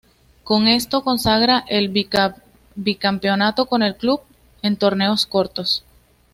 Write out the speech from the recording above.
Con esto consagra el Bicampeonato con el Club, en torneos cortos.